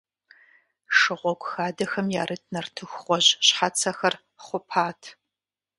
Шыгъуэгу хадэхэм ярыт нартыху гъуэжь щхьэцэхэр хъупат.